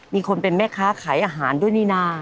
มีคนเป็นแม่ค้าขายอาหารด้วยนี่นะ